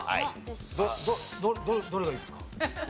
どどどどれがいいですか？